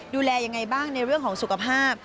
ดูแลยังไงบ้างในเรื่องของสุขภาพ